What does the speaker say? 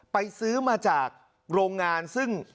ซื้อมาจากโรงงานซึ่ง